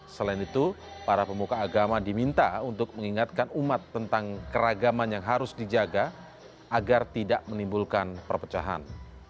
selain itu para pemuka agama diminta untuk mengingatkan umat tentang keragaman yang harus dijaga agar tidak menimbulkan perpecahan